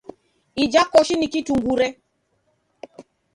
Ija koshi ni kitungure.